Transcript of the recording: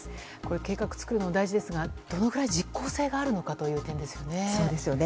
計画作るのも大事ですがどのぐらい実効性があるのかという点ですよね。